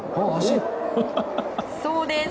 そうです。